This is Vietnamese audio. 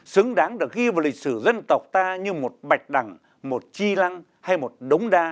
xứng đáng được ghi vào lịch sử dân tộc ta như một bạch đằng một chi lăng hay một đống đa